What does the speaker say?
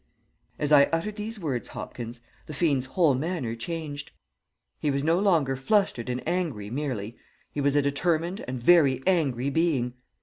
"As I uttered these words, Hopkins, the fiend's whole manner changed. He was no longer flustered and angry merely; he was a determined and very angry being.